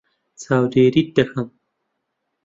چاودێریت دەکەم.